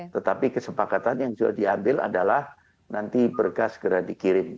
tetapi kesepakatan yang sudah diambil adalah nanti berkas segera dikirim